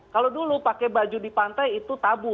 kalau dulu pakai baju di pantai itu tabu